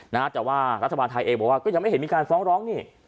นะฮะแต่ว่ารัฐบาลไทยเองบอกว่าก็ยังไม่เห็นมีการฟ้องร้องนี่